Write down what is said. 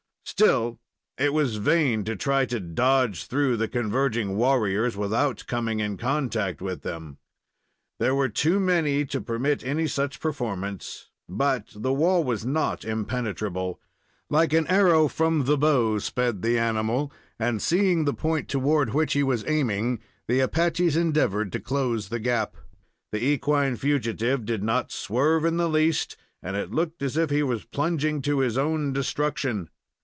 Still, it was vain to try to dodge through the converging warriors without coming in contact with them. There were too many to permit any such performance, but the wall was not impenetrable. Like an arrow from the bow sped the animal, and, seeing the point toward which he was aiming, the Apaches endeavored to close the gap. The equine fugitive did not swerve in the least, and it looked as if he was plunging to his own destruction.